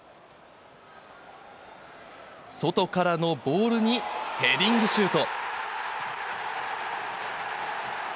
外からのボールにヘディングシュート。